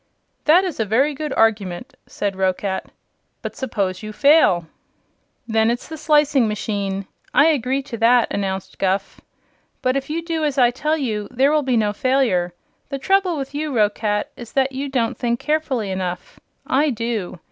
"That is a very good argument," said Roquat. "But suppose you fail?" "Then it's the slicing machine. I agree to that," announced Guph. "But if you do as I tell you there will be no failure. The trouble with you, Roquat, is that you don't think carefully enough. I do.